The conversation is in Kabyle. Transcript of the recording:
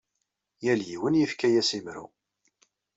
Yal yiwen yefka-as imru.